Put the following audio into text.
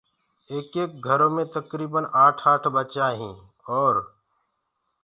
ايڪيڪ گھرو مي تڪريٚبن آٺ آٺ ٻچآ هين اور